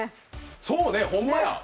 そうね、ほんまや。